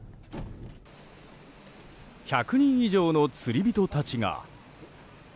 １００人以上の釣り人たちが。